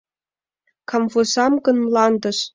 Камвозам гын, мландыш.